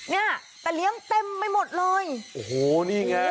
เนี่ยแต่เลี้ยงเต็มไว้หมดเลยโหเนี่ยเกี๋วแบท